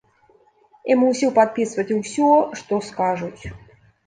І мусіў падпісваць усё, што скажуць.